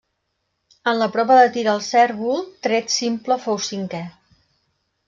En la prova de tir al cérvol, tret simple fou cinquè.